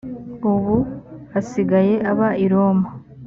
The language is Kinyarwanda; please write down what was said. ubu asigaye aba i roma